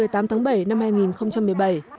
bảy tháng bảy năm hai nghìn một mươi bảy